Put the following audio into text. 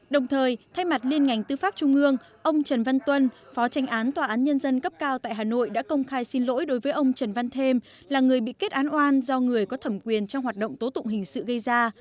đồng thời thay mặt liên ngành tư pháp trung ương ông trần văn tuân phó tranh án tòa án nhân dân cấp cao tại hà nội đã công khai xin lỗi đối với ông trần văn thêm là người bị kết án oan do người có thẩm quyền trong hoạt động tố tụng hình sự gây ra